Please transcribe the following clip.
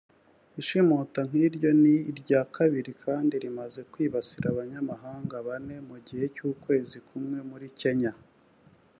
Ishimuta nk’iryo ni irya kabiri kandi rimaze kwibasira abanyamahanga bane mu gihe cy’ukwezi kumwe muri Kenya